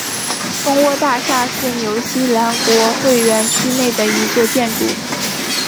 蜂窝大厦是纽西兰国会园区内的一座建筑。